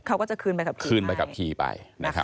เขาก็จะคืนใบขับขี่ไป